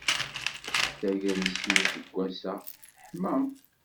Tagrest n useggas-a teḥma.